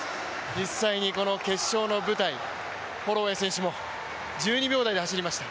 実際に決勝の舞台ホロウェイ選手も１２秒台で走りました。